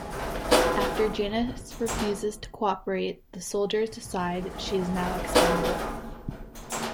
After Janice refuses to cooperate, the soldiers decide she is now expendable.